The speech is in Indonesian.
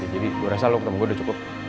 jadi gue rasa lo ketemu gue udah cukup